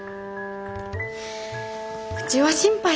うちは心配さ。